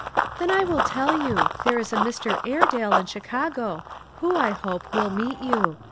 " Then I will tell you. There is a Mr. Airedale in Chicago, who, I hope, will meet you.